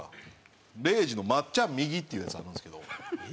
礼二の「まっちゃん右」っていうやつがあるんですけど。